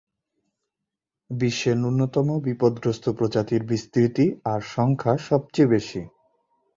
বিশ্বে ন্যূনতম বিপদগ্রস্ত প্রজাতির বিস্তৃতি আর সংখ্যা সবচেয়ে বেশি।